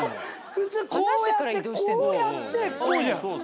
普通こうやってこうやってこうじゃん。